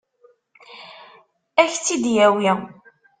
Ad k-tt-id-yawi?